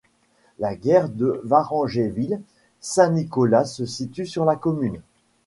La gare de Varangéville - Saint-Nicolas se situe sur la commune.